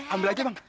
ambil aja bang